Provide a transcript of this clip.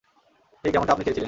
ঠিক যেমনটা আপনি চেয়েছিলেন।